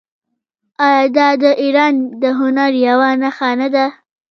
آیا دا د ایران د هنر یوه نښه نه ده؟